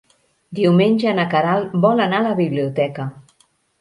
Diumenge na Queralt vol anar a la biblioteca.